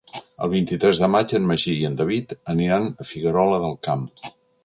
El vint-i-tres de maig en Magí i en David aniran a Figuerola del Camp.